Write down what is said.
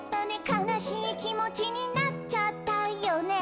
「かなしいきもちになっちゃったよね」